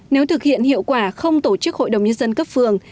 nếu thực hiện hiệu quả không tổ chức hội đồng nhân dân cấp phường